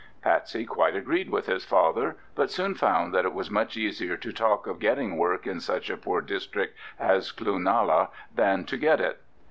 Patsey quite agreed with his father, but soon found that it was much easier to talk of getting work in such a poor district as Cloonalla than to get it.